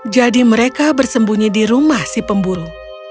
mereka bersembunyi di rumah si pemburu